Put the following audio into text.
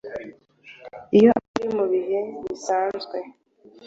iyo ari mu bihe bisanzwe